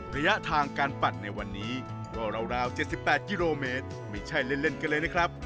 ระยะทางการปั่นในวันนี้ก็ราว๗๘กิโลเมตรไม่ใช่เล่นกันเลยนะครับ